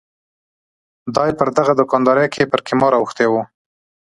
دای پر دغه دوکاندارۍ کې پر قمار اوښتی و.